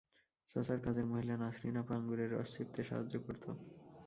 চাচার কাজের মহিলা নাসরিন আপা, আঙুরের রস চিপতে সাহায্য করত।